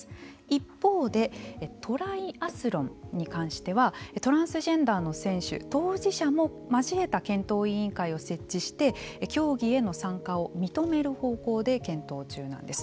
一方でトライアスロンに関してはトランスジェンダー選手当事者も交えた検討委員会を設置して競技への参加を認める方向で検討中なんです。